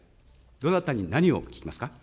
どなたに何を聞きますか。